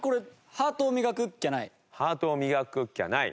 『ハートを磨くっきゃない』。